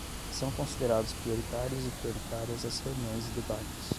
São considerados prioritários e prioritárias as reuniões e debates